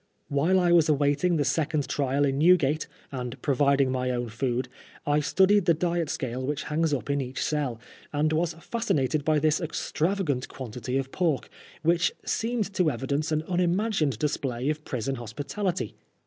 While I was awaiting the second trial in Newgate, and pro viding my own food, I studied the diet scale which hangs up in each cell, and was fascinated by this extravagant quantity of pork, which seemed to evidence an unimagined display of prison hospitality.